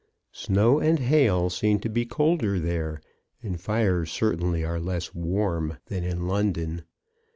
Snow and hail seem to be colder there, and fires certainly are less warm, than in London.